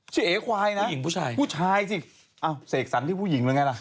ชื่อเอควายนะผู้ชายสิอ้าวเสกสรรที่ผู้หญิงหรือไงล่ะ